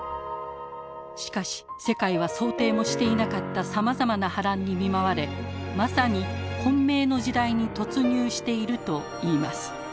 しかし世界は想定もしていなかったさまざまな波乱に見舞われまさに混迷の時代に突入しているといいます。